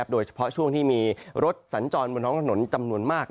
โดยเฉพาะช่วงที่มีรถสัญจรบนท้องถนนจำนวนมาก